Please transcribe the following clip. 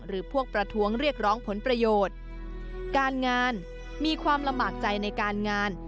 พวกประท้วงเรียกร้องผลประโยชน์การงานมีความลำบากใจในการงาน